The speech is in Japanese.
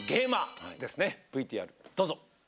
ＶＴＲどうぞ。